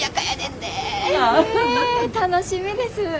へえ楽しみです。